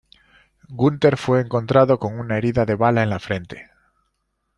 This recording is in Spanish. Gunter fue encontrado con una herida de bala en la frente.